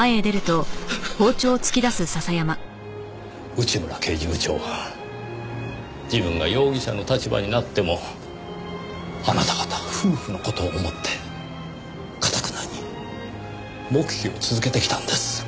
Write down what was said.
内村刑事部長は自分が容疑者の立場になってもあなた方夫婦の事を思って頑なに黙秘を続けてきたんです。